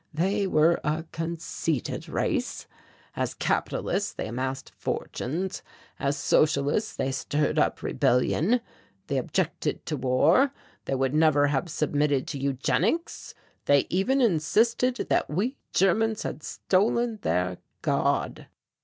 They were a conceited race. As capitalists, they amassed fortunes; as socialists they stirred up rebellion; they objected to war; they would never have submitted to eugenics; they even insisted that we Germans had stolen their God!